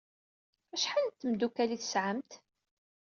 Acḥal n tmeddukal ay tesɛamt?